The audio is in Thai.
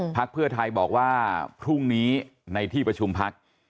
พักเพื่อไทยบอกว่าพรุ่งนี้ในที่ประชุมพัก